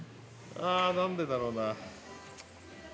あなんでだろうな。